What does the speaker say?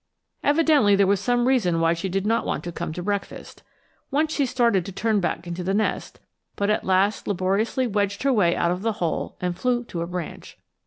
Evidently there was some reason why she did not want to come to breakfast. Once she started to turn back into the nest, but at last laboriously wedged her way out of the hole and flew to a branch.